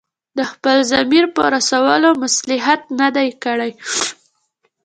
د خپل ضمیر په رسولو مصلحت نه دی کړی.